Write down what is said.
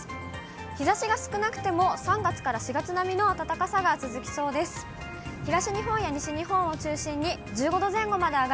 日ざしが少なくても３月から４月並みの暖かさが続きそうです。